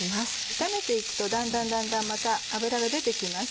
炒めていくとだんだんだんだんまた脂が出てきます。